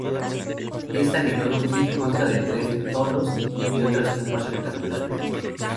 Esta necrópolis consta de tres "tholos" y otras tumbas rectangulares.